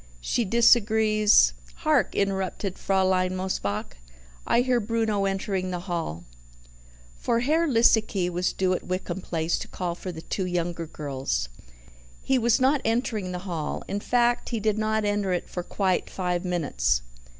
She disagrees " "Hark!" interrupted Fraulein Mosebach. "I hear Bruno entering the hall." For Herr Liesecke was due at Wickham Place to call for the two younger girls. He was not entering the hall in fact, he did not enter it for quite five minutes.